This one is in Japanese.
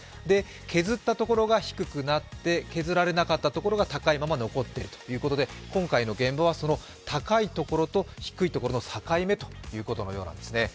削ったところが低くなって削られなかったところが高いまま残っているということで今回の現場はその高いところと低いところの境目というところのようなんですね。